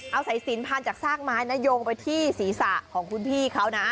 เอาสายสินพันจากซากไม้นะโยงไปที่ศีรษะของคุณพี่เขานะ